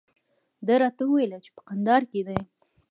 ده راته وویل چې په کندهار کې دی.